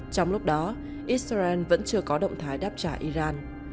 trong lúc đó israel vẫn chưa có động thái đáp trả iran